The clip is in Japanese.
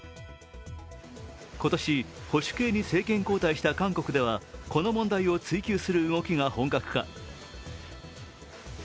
今年保守系に政権交代した韓国ではこの問題を追及する動きが本格化。